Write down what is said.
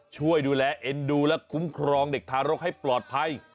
ช่วยดูแลเอ็นดูและคุ้มครองเด็กทารกให้ปลอดภัย